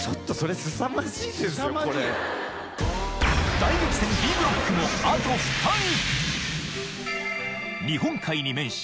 大激戦Ｂブロックもあと２人！